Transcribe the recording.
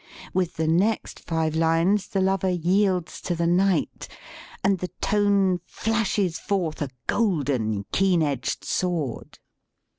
With the next five lines the lover yields to the knight, and the tone flashes forth a golden, keen edged sword.